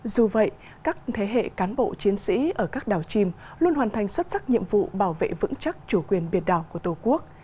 dù vậy các thế hệ cán bộ chiến sĩ ở các đảo chìm luôn hoàn thành xuất sắc nhiệm vụ bảo vệ vững chắc chủ quyền biệt đảo của tổ quốc